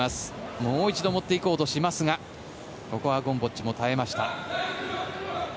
もう一度持っていこうとしますがここはゴムボッチも耐えました。